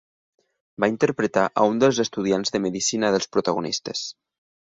Va interpretar a un dels estudiants de medicina dels protagonistes.